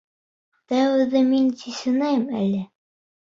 Тәүҙә мин сисенәйем әле.